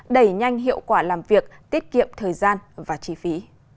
đẩy nhanh hiệu quả làm việc tiết kiệm thời gian và chi phí